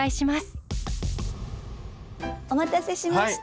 お待たせしました。